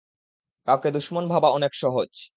কাউকে দুশমন ভাবা অনেক সহজ।